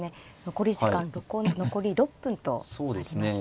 残り時間残り６分となりました。